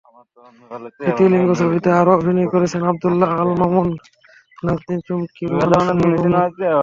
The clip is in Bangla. দ্বিতীয় লিঙ্গ ছবিতে আরও অভিনয় করছেন আবদুল্লাহ আল-মামুন, নাজনীন চুমকি, রুমানা স্বর্ণা প্রমুখ।